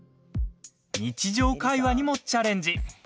日常会話にもチャレンジ！